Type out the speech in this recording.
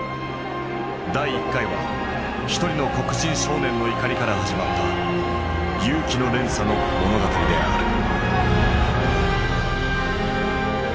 第１回は一人の黒人少年の怒りから始まった勇気の連鎖の物語である。